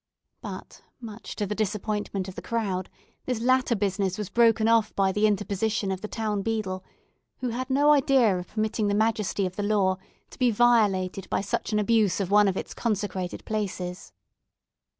But, much to the disappointment of the crowd, this latter business was broken off by the interposition of the town beadle, who had no idea of permitting the majesty of the law to be violated by such an abuse of one of its consecrated places.